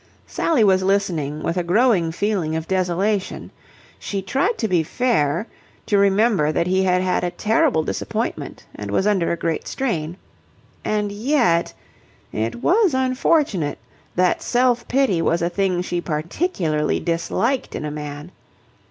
Sally was listening with a growing feeling of desolation. She tried to be fair, to remember that he had had a terrible disappointment and was under a great strain. And yet... it was unfortunate that self pity was a thing she particularly disliked in a man.